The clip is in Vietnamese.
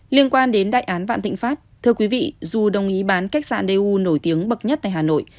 liên quan đến đại án vạn thịnh pháp thưa quý vị dù đồng ý bán cách sạn đê u nổi tiếng bậc nhất tại hà nội